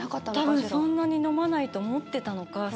たぶんそんなに飲まないと思ってたのか。